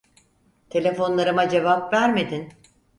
Telefonlarıma cevap vermedin.